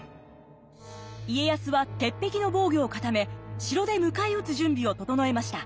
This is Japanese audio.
家康は鉄壁の防御を固め城で迎え撃つ準備を整えました。